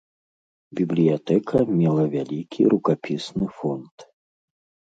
Бібліятэка мела вялікі рукапісны фонд.